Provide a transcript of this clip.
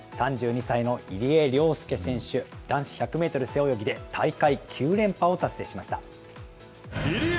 ３２歳の入江陵介選手、男子１００メートル背泳ぎで大会９連覇を達成しました。